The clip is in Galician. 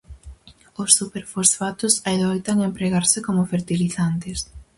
Os superfosfatos adoitan empregarse como fertilizantes.